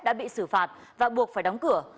đã bị xử phạt và buộc phải đóng cửa